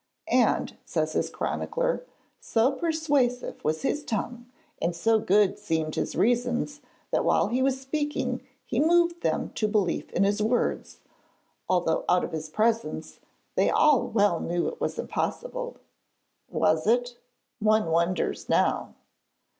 And, says his chronicler, so persuasive was his tongue and so good seemed his reasons that while he was speaking he moved them to belief in his words, although out of his presence they all well knew it was impossible. Was it? one wonders now.